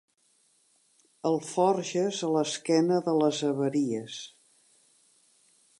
Alforges a l'esquena de les haveries.